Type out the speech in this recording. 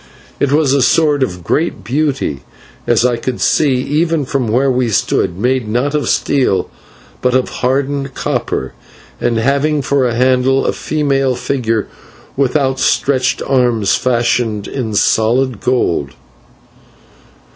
It was a sword of great beauty, as I could see even from where we stood, made not of steel, but of hardened copper, and having for a handle a female figure with outstretched arms fashioned in solid gold.